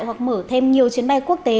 hoặc mở thêm nhiều chiến bay quốc tế